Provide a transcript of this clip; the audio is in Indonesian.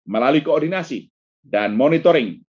melalui koordinasi dan monitoring